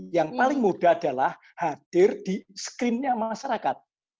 yang paling mudah adalah hadir di screen nya masyarakat